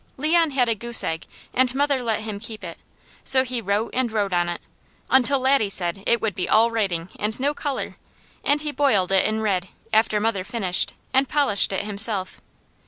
Leon had a goose egg and mother let him keep it, so he wrote and wrote on it, until Laddie said it would be all writing, and no colour, and he boiled it in red, after mother finished, and polished it himself.